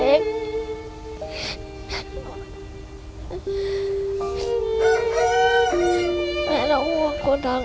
แม้เรางทลับกันแผ่นอีกแล้วดูแม่กระทำเอง